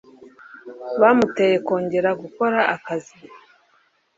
Bamuteye kongera gukora akazi.